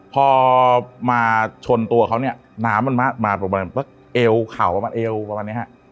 พอมาชนตัวเขาเนี่ยน้ำมันมาประมาณเอวเข่ามาเอวประมาณนี้ฮะ